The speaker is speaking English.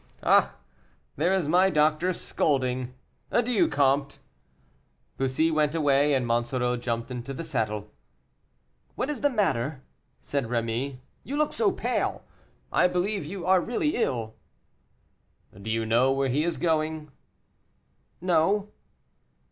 "Ah! there is my doctor scolding. Adieu, comte." Bussy went away, and Monsoreau jumped into the saddle. "What is the matter?" said Rémy; "you look so pale, I believe you are really ill." "Do you know where he is going?" "No."